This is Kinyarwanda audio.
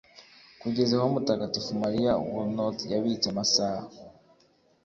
Kugeza aho Mutagatifu Mariya Woolnoth yabitse amasaha